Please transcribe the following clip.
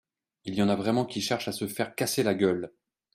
Il y en a vraiment qui cherchent à se faire casser la gueule